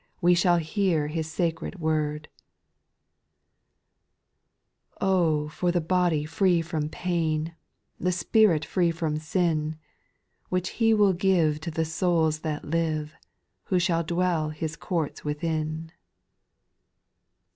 We shall hear His sacred word I 2. Oh ! for the body free from pain, The spirit free from sin. Which He will give To the souls that live. Who shall dwell His courts within.